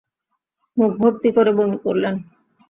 মুখ ভর্তি করে বমি করলেন।